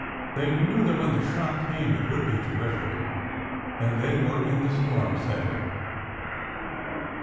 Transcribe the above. They knew that when the shock came it would be terrific. And they were in the storm center.